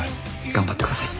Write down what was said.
頑張ってください。